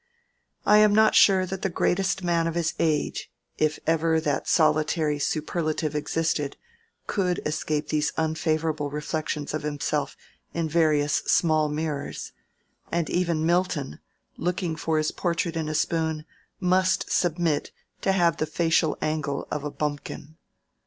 I am not sure that the greatest man of his age, if ever that solitary superlative existed, could escape these unfavorable reflections of himself in various small mirrors; and even Milton, looking for his portrait in a spoon, must submit to have the facial angle of a bumpkin.